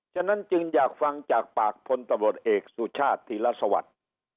ฉะนั้นจึงอยากฟังจากปากพลตะบดเอกสุชาติธิลสวรรค์